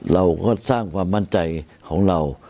เราก็สร้างความมั่นใจของเรา